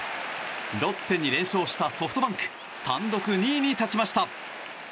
ロッテに連勝したソフトバンク単独２位に立ちました。